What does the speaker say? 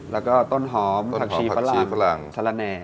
แล้วก็ต้นหอมผักชีฝรั่งสละแน่